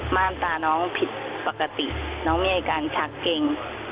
่านตาน้องผิดปกติน้องมีอาการชักเก่ง